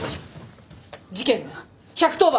事件ね１１０番！